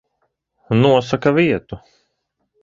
Nosaka vietu.